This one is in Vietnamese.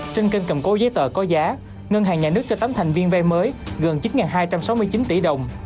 trên kênh cầm cố giấy tờ có giá ngân hàng nhà nước cho tám thành viên vay mới gần chín hai trăm sáu mươi chín tỷ đồng